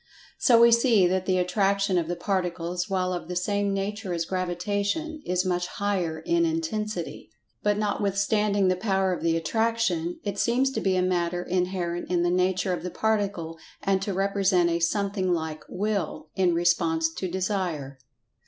So we see that the Attraction of the Particles, while of the same nature as Gravitation, is much higher in intensity. But notwithstanding the power of the Attraction, it seems to be a matter inherent in the nature of the Particle, and to represent a something like Will, in response to Desire.